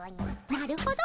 なるほど。